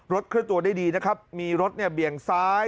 เคลื่อนตัวได้ดีนะครับมีรถเนี่ยเบี่ยงซ้าย